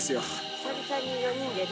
久々に４人でね。